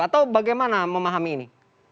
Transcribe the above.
atau bagaimana memahami ini